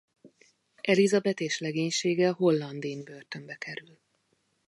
Elizabeth és legénysége a Hollandin börtönbe kerül.